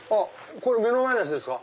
目の前のやつですか？